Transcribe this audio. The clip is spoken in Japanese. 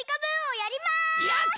やった！